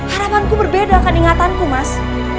harapanku berbeda akan ingatanku mas